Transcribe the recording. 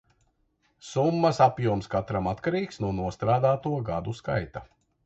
Summas apjoms katram atkarīgs no nostrādāto gadu skaita.